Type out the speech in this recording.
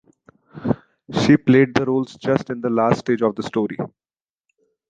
She played the roles just in the last stage of the story.